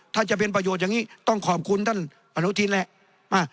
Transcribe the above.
ถ้าจะเป็นประโยชน์อย่างนี้ต้องขอบคุณท่านอนุทินแหละ